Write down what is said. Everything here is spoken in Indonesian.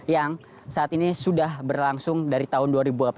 yang saat ini sudah berlangsung dari tahun dua ribu delapan belas